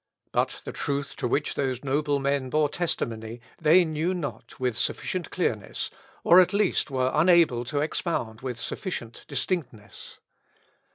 But the truth to which those noble men bore testimony, they knew not with sufficient clearness, or at least were unable to expound with sufficient distinctness.